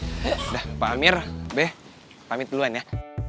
udah pak amir be pamit duluan ya